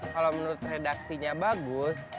kalau menurut redaksinya bagus